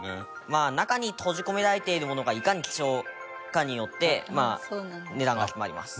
まあ中に閉じ込められているものがいかに貴重かによって値段が決まります。